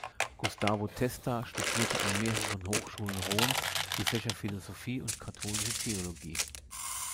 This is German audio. Gustavo Testa studierte an mehreren Hochschulen Roms die Fächer Philosophie und Katholische Theologie.